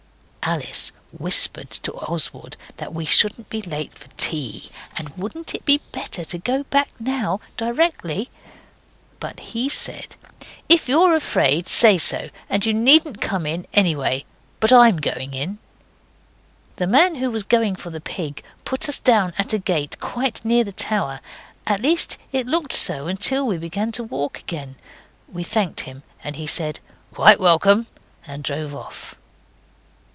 Alice whispered to Oswald that we should be late for tea, and wouldn't it be better to go back now directly. But he said 'If you're afraid, say so; and you needn't come in anyway but I'm going on.' The man who was going for the pig put us down at a gate quite near the tower at least it looked so until we began to walk again. We thanked him, and he said 'Quite welcome,' and drove off.